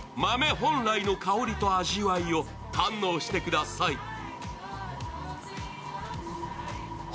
豆本来の香りと味わいを堪能してください。